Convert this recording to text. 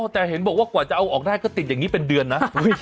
แต่เห็นบอกว่ากว่าจะเอาออกได้ก็ติดอย่างนี้เป็นเดือนนะ